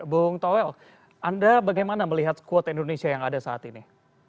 buung tawel anda bagaimana melihat skuad indonesia yang ada saat ini